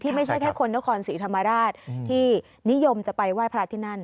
ไม่ใช่แค่คนนครศรีธรรมราชที่นิยมจะไปไหว้พระที่นั่น